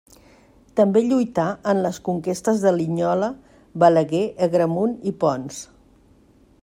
També lluità en les conquestes de Linyola, Balaguer, Agramunt i Ponts.